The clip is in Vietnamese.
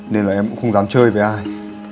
nên là em cũng không dám chơi với ai